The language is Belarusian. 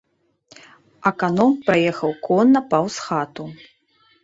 Аканом праехаў конна паўз хату.